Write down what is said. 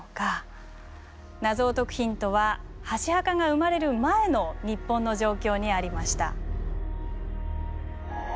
謎を解くヒントは箸墓が生まれる前の日本の状況にありました。